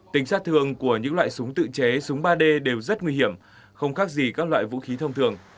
tính sát thường của những loại súng tự chế súng ba d đều rất nguy hiểm không khác gì các loại vũ khí thông thường